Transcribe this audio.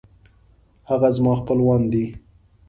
هغه زما خپلوان دی